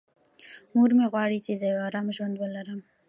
مور مې غواړي چې زه یو ارام ژوند ولرم.